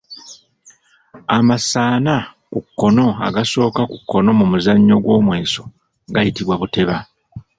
Amasa ana ku kkono agasooka ku kkono mu muzannyo gw’omweso gayitibwa buteba.